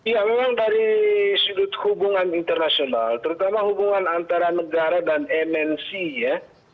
ya memang dari sudut hubungan internasional terutama hubungan antara negara dan mnc ya